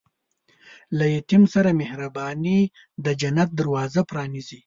له یتیم سره مهرباني، د جنت دروازه پرانیزي.